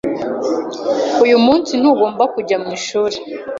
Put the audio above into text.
Uyu munsi, ntugomba kujya mwishuri